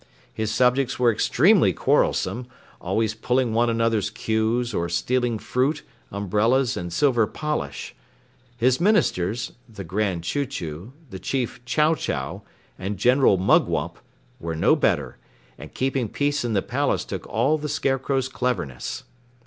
His subjects were extremely quarrelsome, always pulling one another's queues or stealing fruit, umbrellas, and silver polish. His ministers, the Grand Chew Chew, the Chief Chow Chow, and General Mugwump, were no better, and keeping peace in the palace took all the Scarecrow's cleverness.